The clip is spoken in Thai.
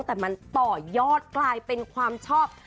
แต่มันต่อยอดกลายเป็นความชอบ